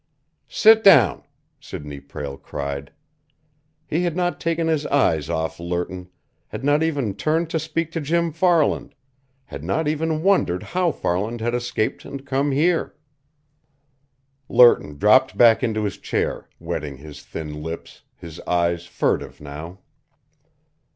"Sit down!" Sidney Prale cried. He had not taken his eyes off Lerton, had not even turned to speak to Jim Farland, had not even wondered how Farland had escaped and come here. Lerton dropped back into his chair, wetting his thin lips, his eyes furtive now.